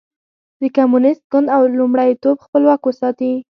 د کمونېست ګوند لومړیتوب خپل واک وساتي.